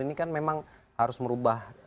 ini kan memang harus merubah